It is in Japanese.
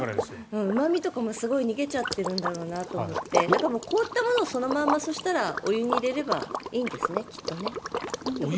うま味とかもすごい逃げちゃっているんだろうなと思ってだから、凍ったものをそのままお湯に入れればいいんですね。